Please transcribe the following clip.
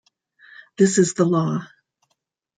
This is the law.